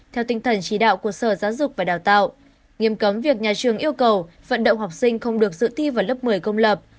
theo tinh thần chỉ đạo của sở giáo dục và đào tạo nghiêm cấm việc nhà trường yêu cầu vận động học sinh không được dự thi vào lớp một mươi công lập